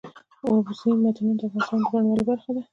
اوبزین معدنونه د افغانستان د بڼوالۍ برخه ده.